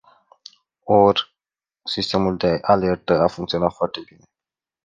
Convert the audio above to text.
Or, sistemul de alertă a funcționat foarte bine.